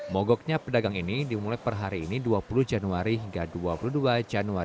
mogoknya pedagang ini dimulai per hari ini dua puluh januari hingga dua puluh dua januari